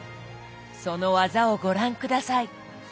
その技をご覧下さい。